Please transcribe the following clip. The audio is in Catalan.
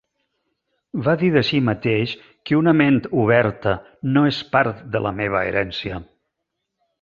Va dir de si mateix, que una ment oberta no és part de la meva herència.